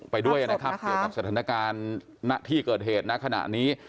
ไปด้วยนะครับเกี่ยวกับสถานการณ์ณที่เกิดเหตุณขณะนี้